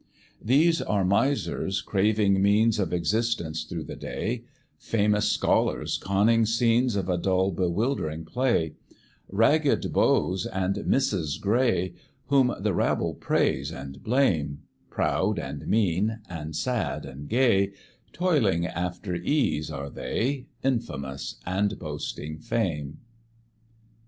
These are misers, craving means Of existence through the day, Famous scholars, conning scenes Of a dull bewildering play; Ragged beaux and misses gray, Whom the rabble praise and blame, Proud and mean, and sad and gay, Toiling after ease, are they, Infamous, and boasting fame. PLAYERS.